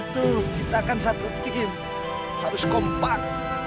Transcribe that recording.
tuh kita kan satu pikir harus kompak